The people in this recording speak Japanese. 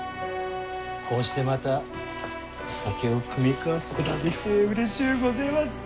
こうしてまた酒を酌み交わすことができてうれしゅうごぜます。